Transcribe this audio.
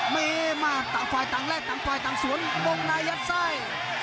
มีมาตราไฟทางแรกฟายฟายไทก์สวนมงไหนยัดซ่าย